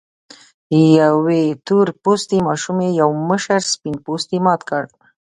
يوې تور پوستې ماشومې يو مشر سپين پوستي مات کړ.